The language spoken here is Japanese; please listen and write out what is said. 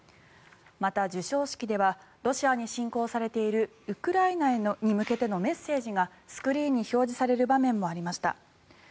また、授賞式ではロシアに侵攻されているウクライナに向けてのメッセージがスクリーンに表示される場面もありました。